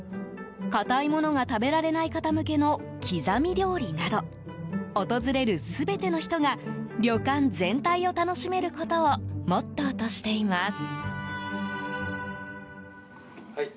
硬いものが食べられない方向けの刻み料理など訪れる全ての人が旅館全体を楽しめることをモットーとしています。